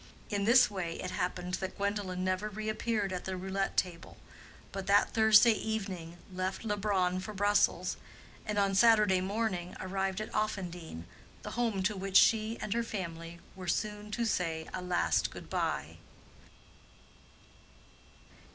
In this way it happened that Gwendolen never reappeared at the roulette table, but that Thursday evening left Leubronn for Brussels, and on Saturday morning arrived at Offendene, the home to which she and her family were soon to say a last good bye.